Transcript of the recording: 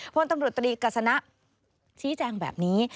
พลตำรวจตรีกัศนะชี้แจงแบบนี้